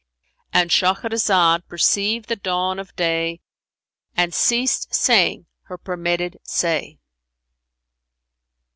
—And Shahrazad perceived the dawn of day and ceased saying her permitted say.